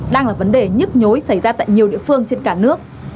đang là vấn đề nhức nhối xảy ra tại nhiều địa phương trên cả nước